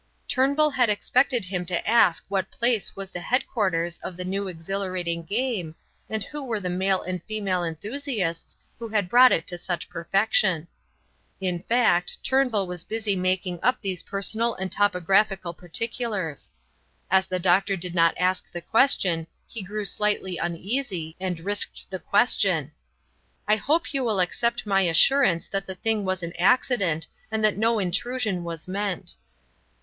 Turnbull had expected him to ask what place was the headquarters of the new exhilarating game, and who were the male and female enthusiasts who had brought it to such perfection; in fact, Turnbull was busy making up these personal and topographical particulars. As the doctor did not ask the question, he grew slightly uneasy, and risked the question: "I hope you will accept my assurance that the thing was an accident and that no intrusion was meant."